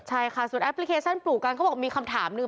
ใช่ค่ะส่วนแอปพลิเคชันปลูกกันเขาบอกมีคำถามหนึ่ง